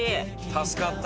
助かった。